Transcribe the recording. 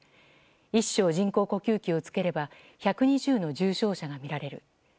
１床、人工呼吸器をつければ１２０の重症者が診られる。